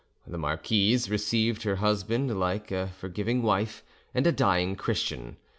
The marquise receivers her husband like a forgiving wife and a dying Christian.